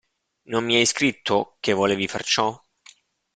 Non mi hai scritto che volevi far ciò?